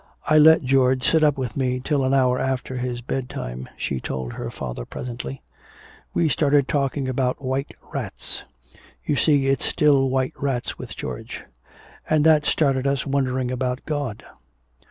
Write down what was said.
"I let George sit up with me till an hour after his bedtime," she told her father presently. "We started talking about white rats you see it's still white rats with George and that started us wondering about God.